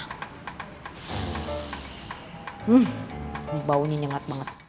hmm baunya nyengat banget